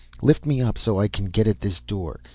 "Lift me up so I can get at this door.